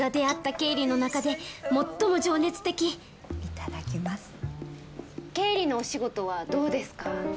経理のお仕事はどうですか？